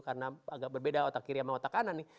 karena agak berbeda otak kiri sama otak kanan nih